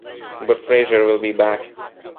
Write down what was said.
But Fraizer will be back.